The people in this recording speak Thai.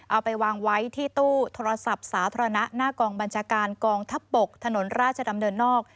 เอาไปวางไว้ที่ตู้โทรศัพท์สาธารณะหน้ากองบัญชาการกองทัพบกถนนราชดำเนินนอก